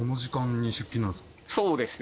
そうですね。